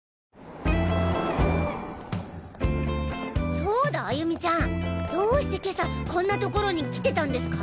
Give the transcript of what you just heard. そうだ歩美ちゃんどうして今朝こんな所に来てたんですか？